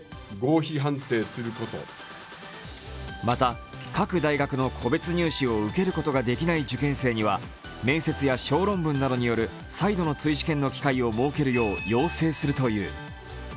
また、各大学の個別入試を受けることができない受験生には面接や小論文などによる再度の追試験の機会を設けるよう要請するという。